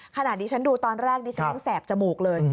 ขณะนี้ฉันดูตอนแรกฉันแห้งแสบจมูกเลย